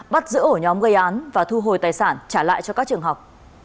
bắt giữ ổ nhóm gây án và thu hồi tài sản trả lại cho các trường học